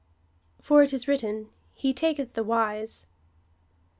For it is written, He taJceth the wise.